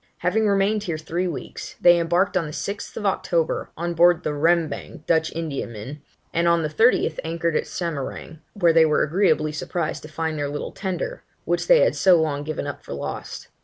Having remained here three weeks, they embarked on the 6th October, on board the Rembang Dutch Indiaman, and on the 30th, anchored at Samarang, where they were agreeably surprised to find their little Tender, which they had so long given up for lost.